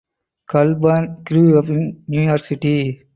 Colburn grew up in New York City.